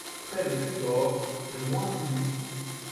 Près le Tréport, juin dix-huit...